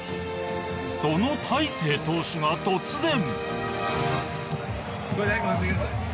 その大勢投手が突然。